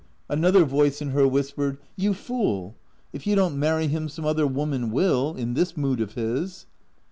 Another voice in her whispered, " You fool. If you don't marry him some other woman will — in this mood of his."